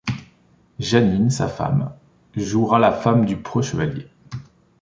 Janine, sa femme, jouera la femme du preux chevalier.